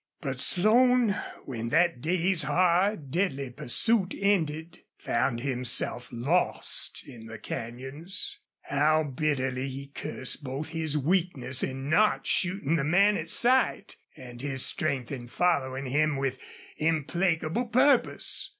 But Slone, when that day's hard, deadly pursuit ended, found himself lost in the canyons. How bitterly he cursed both his weakness in not shooting the man at sight, and his strength in following him with implacable purpose!